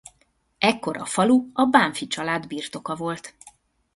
Ekkor a falu a Bánffy család birtoka volt.